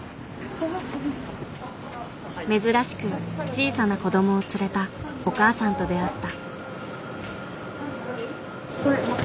珍しく小さな子供を連れたお母さんと出会った。